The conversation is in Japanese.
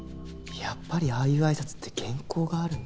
やっぱりああいう挨拶って原稿があるんだ。